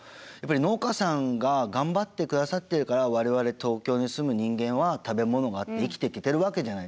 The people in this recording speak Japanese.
農家さんが頑張ってくださっているから我々東京に住む人間は食べ物があって生きていけているわけじゃないですか。